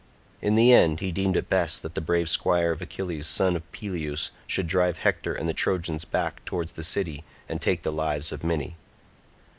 In the end, he deemed it best that the brave squire of Achilles son of Peleus should drive Hector and the Trojans back towards the city and take the lives of many.